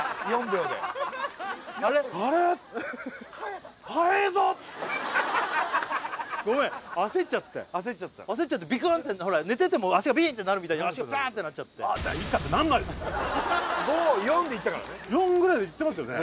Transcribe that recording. ４秒であれごめん焦っちゃって焦っちゃった焦っちゃってビクンってほら寝てても脚がビーってなるみたいにバーッてなっちゃって５４でいったからね４ぐらいでいってますよね？